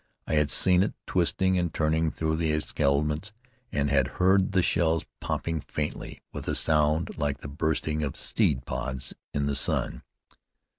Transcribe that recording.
I had seen it twisting and turning through the éclatements, and had heard the shells popping faintly, with a sound like the bursting of seed pods in the sun.